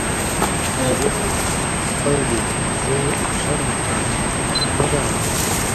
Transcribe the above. هغې وویل: فرګي، زه شرم کوم، مه ژاړه.